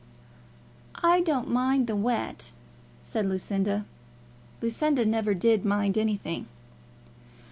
"I don't mind the wet," said Lucinda. Lucinda never did mind anything.